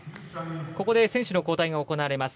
ここで選手の交代が行われます。